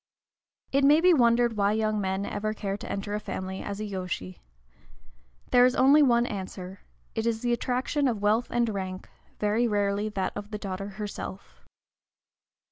It may be wondered why young men ever care to enter a family as yōshi. There is only one answer, it is the attraction of wealth and rank, very rarely that of the daughter herself.